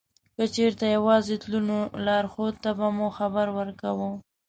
که چېرته یوازې تلو نو لارښود ته به مو خبر ورکاوه.